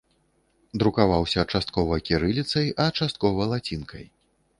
Друкаваўся часткова кірыліцай, а часткова лацінкай.